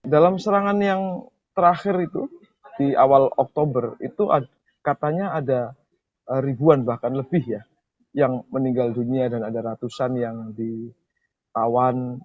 dalam serangan yang terakhir itu di awal oktober itu katanya ada ribuan bahkan lebih ya yang meninggal dunia dan ada ratusan yang ditawan